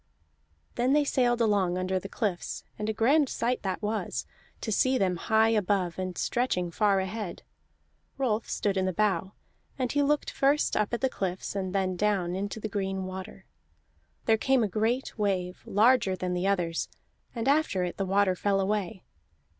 Then they sailed along under the cliffs, and a grand sight that was, to see them high above and stretching far ahead. Rolf stood in the bow, and he looked first up at the cliffs, and then down into the green water. There came a great wave, larger than the others, and after it the water fell away.